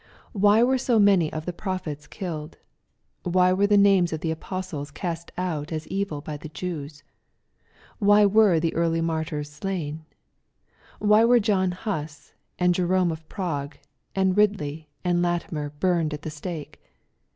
Why were so many of the prophets killed t Why were the names of the apostles cast out as evil by the Jews ? Why were the early martyrs slain ? Why were John Huss, and Jerome of Prague, and Bidley, and Latimer burned at the stake